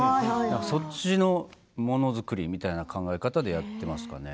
そっちの物作りみたいな考え方でやっていますね。